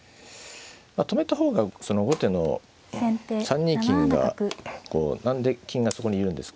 止めた方がその後手の３二金がこう何で金がそこにいるんですか？